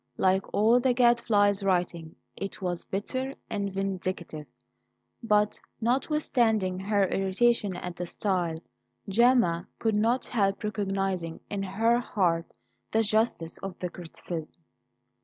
Like all the Gadfly's writing, it was bitter and vindictive; but, notwithstanding her irritation at the style, Gemma could not help recognizing in her heart the justice of the criticism.